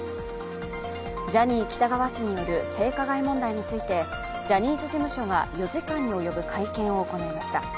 ジャニー喜多川氏による性加害問題についてジャニーズ事務所が４時間におよぶ会見を行いました。